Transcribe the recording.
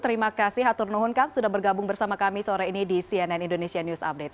terima kasih hatur nuhun kan sudah bergabung bersama kami sore ini di cnn indonesia news update